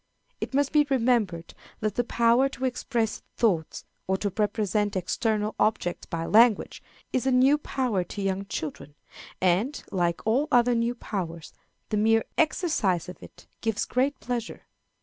It must be remembered that the power to express thoughts, or to represent external objects by language, is a new power to young children, and, like all other new powers, the mere exercise of it gives great pleasure.